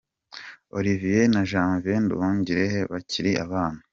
Olivier na Janvier Nduhungirehe bakiri abana